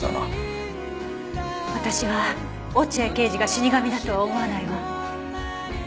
私は落合刑事が死神だとは思わないわ。